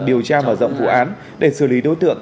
điều tra mở rộng vụ án để xử lý đối tượng